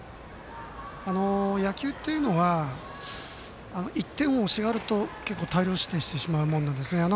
野球っていうのは１点を惜しがると結構、大量失点してしまうものなんですね。